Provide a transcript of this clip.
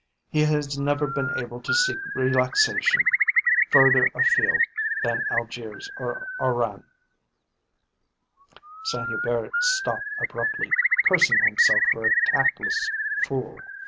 He has never been able to seek relaxation further afield than Algiers or Oran " Saint Hubert stopped abruptly, cursing himself for a tactless fool.